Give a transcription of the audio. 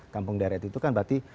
kampung deret itu kan berarti